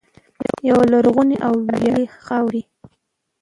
یوې لرغونې او ویاړلې خاورې.